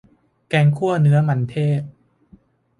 แกงคั่วเนื้อมันเทศ